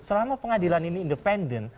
selama pengadilan ini independen